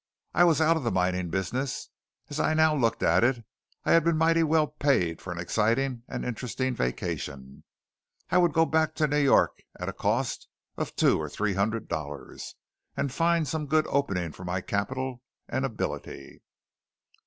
I was out of the mining business. As I now looked at it, I had been mighty well paid for an exciting and interesting vacation. I would go back to New York at a cost of two or three hundred dollars, and find some good opening for my capital and ability.